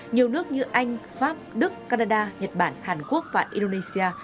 nhiều nước như anh pháp đức canada nhật bản hàn quốc và indonesia